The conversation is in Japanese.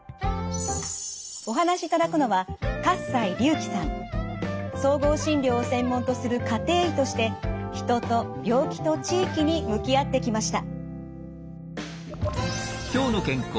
お話しいただくのは総合診療を専門とする家庭医として人と病気と地域に向き合ってきました。